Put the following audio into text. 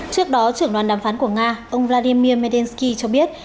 trước đó trưởng đoàn đàm phán của nga ông vladimir melsky cho biết